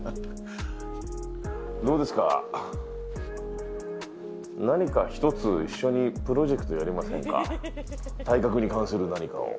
どうですか、何か一つ一緒にプロジェクトやりませんか、体格に関する何かを。